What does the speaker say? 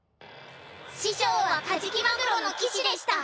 師匠はカジキマグロの騎士でした。